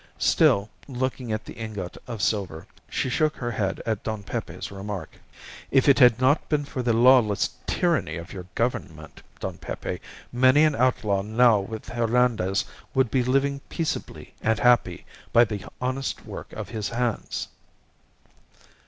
Still looking at the ingot of silver, she shook her head at Don Pepe's remark "If it had not been for the lawless tyranny of your Government, Don Pepe, many an outlaw now with Hernandez would be living peaceably and happy by the honest work of his hands."